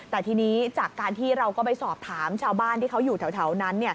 แต่ทีนี้จากการที่เราก็ไปสอบถามชาวบ้านที่เขาอยู่แถวนั้น